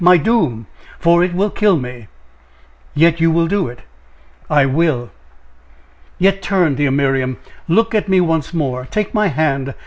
my doom! for it will kill me!" "Yet you will do it!" "I will." "Yet turn, dear Miriam! Look on me once more! take my hand!